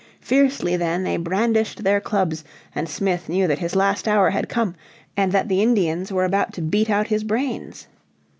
Fiercely then they brandished their clubs and Smith knew that his last hour had come, and that the Indians were about to beat out his brains.